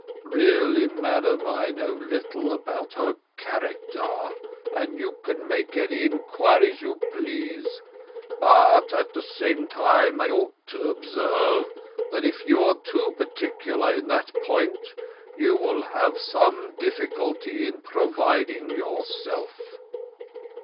"Really, madam, I know little about her character; but you can make any inquiries you please. But at the same time I ought to observe, that if you are too particular in that point, you will have some difficulty in providing yourself."